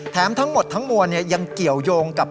ทั้งหมดทั้งมวลยังเกี่ยวยงกับ